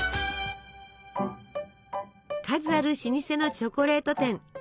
数ある老舗のチョコレート店。